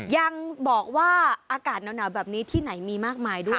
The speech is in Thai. ยังบอกว่าอากาศหนาวแบบนี้ที่ไหนมีมากมายด้วย